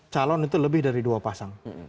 calon itu lebih dari dua pasang